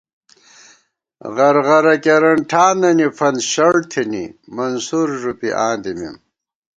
غرغرہ کېرن ٹھانَنی فنت شَڑ تھنی، منصور ݫُوپی آں دِمېم